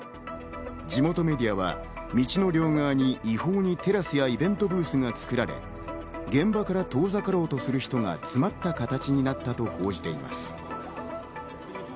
地元メディアは道の両側に違法にテラスやイベントブースが作られ、現場から遠ざかろうとする人が詰まった形になったと報じています。